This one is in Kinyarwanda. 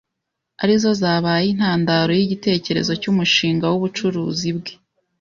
ari zo zabaye intandaro y'igitekerezo cy'umushinga w'ubucuruzi bwe.